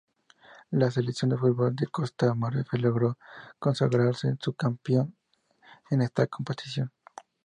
La Selección de fútbol de Costa de Marfil logró consagrarse subcampeón en esta competición.